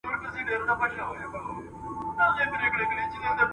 ملي توليد د پس انداز د زياتوالي سبب ګرځي.